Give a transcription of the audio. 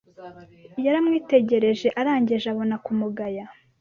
Yaramwitegereje arangije abona kumugaya